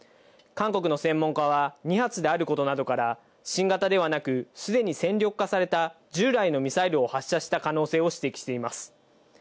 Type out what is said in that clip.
韓国の専門家は、２発であることなどから、新型ではなく、すでに戦力化された従来のミサイルを発射した可能性を指摘しています。